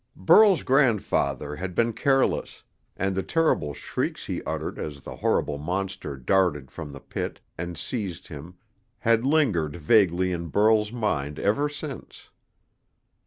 Burl's grandfather had been careless, and the terrible shrieks he uttered as the horrible monster darted from the pit and seized him had lingered vaguely in Burl's mind ever since.